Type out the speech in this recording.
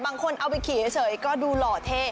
บางคนเอาไปขี่เฉยก็ดูหล่อเท่